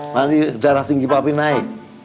nanti darah tinggi papi naik